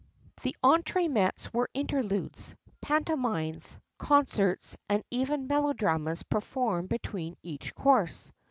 The entre mets were interludes, pantomimes, concerts, and even melodramas performed between each course.